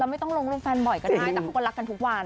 เราไม่ต้องลงร่วมแฟนบ่อยกันได้จริงแต่เขาก็รักกันทุกวันจริง